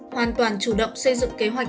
hoàn toàn chủ động xây dựng kế hoạch